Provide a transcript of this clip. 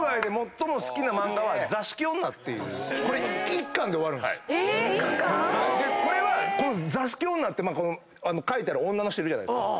１巻⁉『座敷女』ってあの描いてある女の人いるじゃないですか。